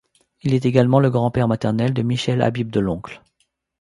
Il est également le grand-père maternel de Michel Habib-Deloncle.